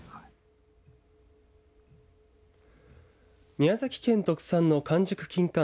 宮崎県特産の完熟きんかん